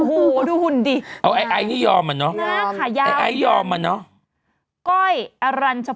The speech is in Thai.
โหดูหุ่นดิอ่ะไอ้นี่ยอมมาเนอะเนี้ยไอ้ยอมมาเนอะ